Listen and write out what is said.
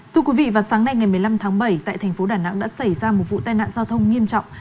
thưa quý vị vào sáng nay ngày một mươi năm tháng bảy tại thành phố đà nẵng đã xảy ra một vụ tai nạn giao thông nghiêm trọng